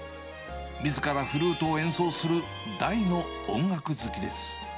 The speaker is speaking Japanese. みずからフルートを演奏する大の音楽好きです。